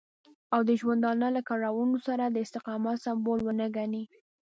او د ژوندانه له کړاوونو سره د استقامت سمبول ونه ګڼي.